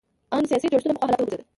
ان سیاسي جوړښتونه پخوا حالت ته وګرځېدل.